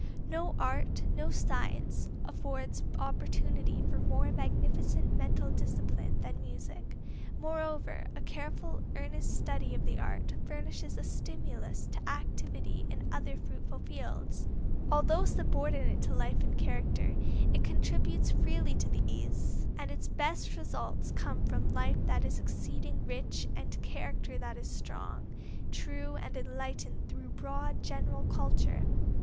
No art, no science, affords opportunity for more magnificent mental discipline than music. Moreover, a careful, earnest study of the art furnishes a stimulus to activity in other fruitful fields. Although subordinate to life and character it contributes freely to these, and its best results come from life that is exceeding rich, and character that is strong, true and enlightened through broad, general culture.